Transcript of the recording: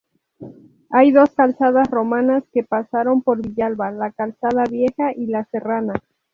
Hay dos calzadas romanas que pasaron por Villalba: la calzada Vieja y la Serrana.